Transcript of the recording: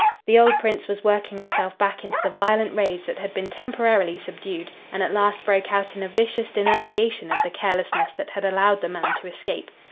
The old Prince was working himself back into the violent rage that had been temporarily subdued; and at last broke out in a vicious denunciation of the carelessness that had allowed the man to escape.